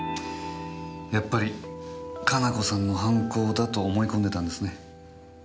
やっぱり可奈子さんの犯行だと思い込んでたんですね。